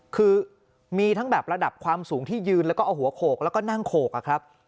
คือมีทั้งแบบระดับความสูงที่ยืนแล้วก็เอาหัวโขกแล้วก็นั่งโขกอะครับ